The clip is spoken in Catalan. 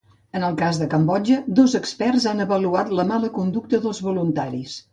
En el cas de Cambodja, dos experts han avaluat la mala conducta dels voluntaris.